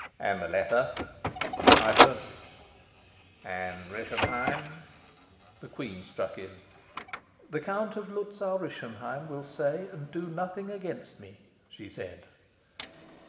"And the letter?" "I burnt it." "And Rischenheim?" The queen struck in. "The Count of Luzau Rischenheim will say and do nothing against me," she said.